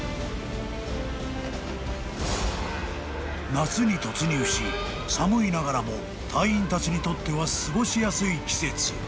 ［夏に突入し寒いながらも隊員たちにとっては過ごしやすい季節］